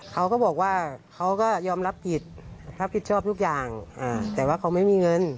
เขาก็บอกว่าเขาก็ยอมรับผิดรับผิดชอบทุกอย่างแต่ว่าเขาไม่มีเงิน